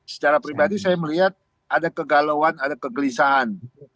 secara pribadi saya melihat ada kegalauan ada kegelisahan